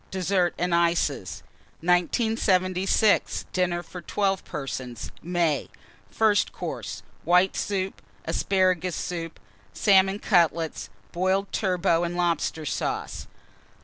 DESSERT AND ICES. 1976. DINNER FOR 12 PERSONS (May). FIRST COURSE. White Soup. Asparagus Soup. Salmon Cutlets. Boiled Turbot and Lobster Sauce.